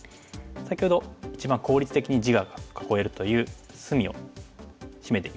先ほど一番効率的に地が囲えるという隅をシメていきましたね。